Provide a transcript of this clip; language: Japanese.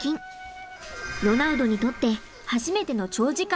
ロナウドにとって初めての長時間のお留守番です。